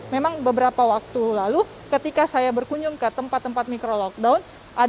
memang beberapa waktu lalu ketika saya berkunjung ke tempat tempat mikro lockdown